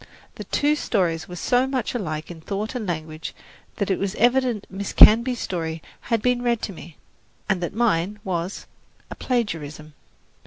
The two stories were so much alike in thought and language that it was evident Miss Canby's story had been read to me, and that mine was a plagiarism.